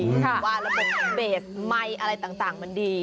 เพราะว่าระบบเบรกไมค์อะไรต่างมันดี